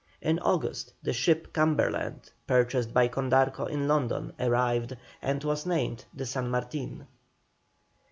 In August the ship Cumberland, purchased by Condarco in London, arrived, and was named the San Martin.